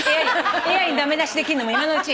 ＡＩに駄目出しできんのも今のうち。